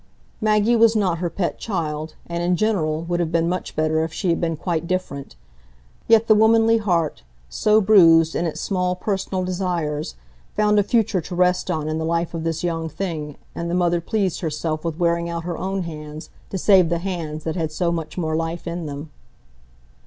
Maggie was not her pet child, and, in general, would have been much better if she had been quite different; yet the womanly heart, so bruised in its small personal desires, found a future to rest on in the life of this young thing, and the mother pleased herself with wearing out her own hands to save the hands that had so much more life in them.